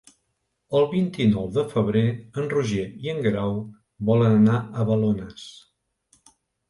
El vint-i-nou de febrer en Roger i en Guerau volen anar a Balones.